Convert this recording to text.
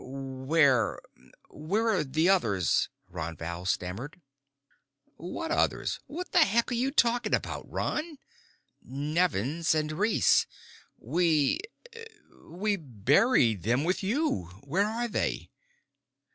"Where where are the others?" Ron Val stammered. "What others? What the heck are you talking about, Ron?" "Nevins and Reese. We we buried them with you. Where are they?"